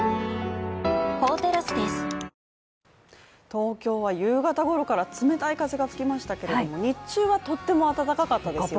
東京は夕方ごろから冷たい風が吹きましたけれども、日中はとっても暖かかったですよね。